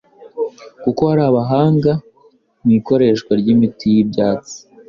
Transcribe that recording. kuko hari abahanga mu ikoreshwa ry’imiti y’ibyatsi,